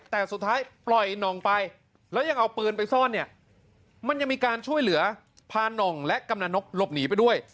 แต่สุดท้ายปล่อยน่องไปแล้วยังเอาปืนไปซ่อนเนี่ยมันยังมีการช่วยเหลือพาน่องและกำลังนกหลบหนีไปด้วย